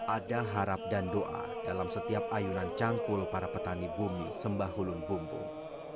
ada harap dan doa dalam setiap ayunan cangkul para petani bumi sembahulun bumbung